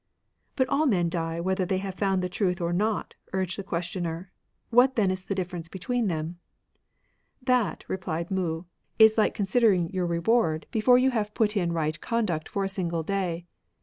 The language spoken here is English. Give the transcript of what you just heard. " But all men die whether they have found the truth or not, urged the questioner; what then is the difference between them ?" That,] repUed Mou, is hke considering your 64 BUDDHISM, ETC. reward before you have put in right conduct for a single day.